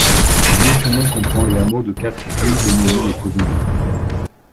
Vieux-Fumé comprend les hameaux de Quatre-Puits, le Mesnil et Cauvigny.